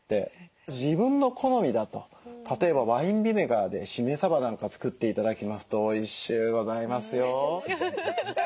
自分の好みだと例えばワインビネガーでしめさばなんか作って頂きますとおいしゅうございますよ。